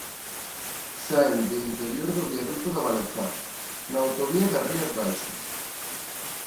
Saen do interior do viaduto da Valenzá, na autovía das Rías Baixas.